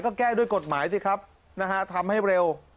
ก็แก้ด้วยกฎหมายสิครับนะฮะทำให้เร็ว